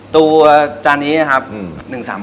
ตัวจานนี้ครับ๑๓๙บาท